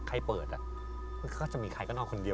ใครเปิดมันก็จะมีใครก็นอนคนเดียว